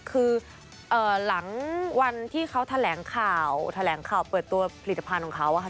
คือหลังวันที่เขาแถลงข่าวแถลงข่าวเปิดตัวผลิตภัณฑ์ของเขาค่ะ